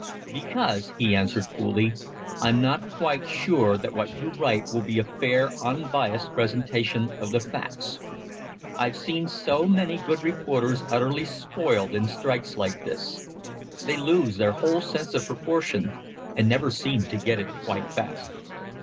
"Because," he answered coolly, "I'm not quite sure that what you write will be a fair unbiassed presentation of the facts. I've seen so many good reporters utterly spoiled in strikes like this. They lose their whole sense of proportion and never seem to get it quite back."